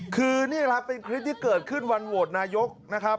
คือนี่ครับเป็นคลิปที่เกิดขึ้นวันโหวตนายกนะครับ